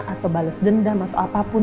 atau bales dendam atau apapun